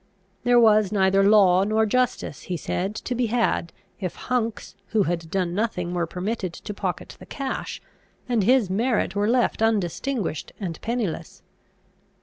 There was neither law nor justice, he said, to be had, if Hunks who had done nothing were permitted to pocket the cash, and his merit were left undistinguished and pennyless.